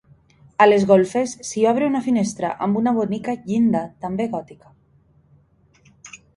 A les golfes s'hi obre una finestra amb una bonica llinda també gòtica.